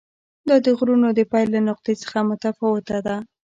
دا د غرونو د پیل له نقطې څخه متفاوته ده.